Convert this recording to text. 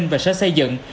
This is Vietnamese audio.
và sở xây dựng